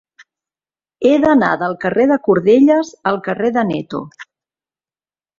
He d'anar del carrer de Cordelles al carrer d'Aneto.